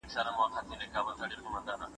ما غوښتل چي د پښتو ژبي په اړه یو مضمون ولیکم